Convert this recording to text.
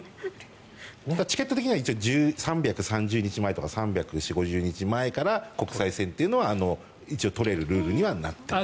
チケット的には３４０３５０日くらい前には国際線というのは一応取れるルールになっています。